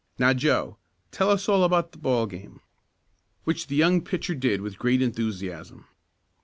Now, Joe, tell us all about the ball game." Which the young pitcher did with great enthusiasm.